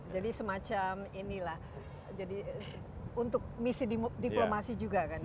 jadi semacam ini lah jadi untuk misi diplomasi juga kan ini kapal ini